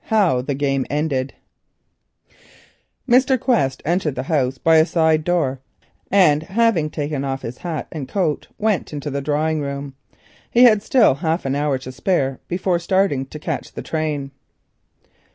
HOW THE GAME ENDED Mr. Quest entered the house by a side door, and having taken off his hat and coat went into the drawing room. He had still half an hour to spare before starting to catch the train.